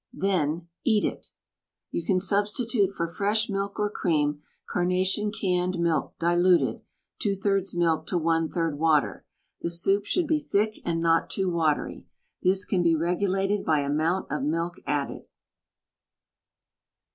Then EAT it. (You can substitute for fresh milk or cream — Carnation Canned Milk diluted —% milk to % water. The soup should be thick and not too watery. This can be regulated by amount of milk added.)